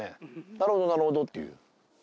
「なるほどなるほど」っていう。